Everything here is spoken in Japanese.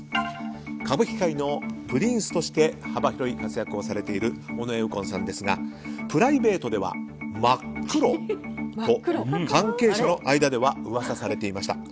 歌舞伎界のプリンスとして幅広い活躍をされている尾上右近さんですがプライベートでは真っ黒と関係者の間では噂されていました。